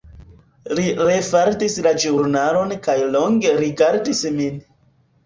Li refaldis la ĵurnalon kaj longe rigardis min.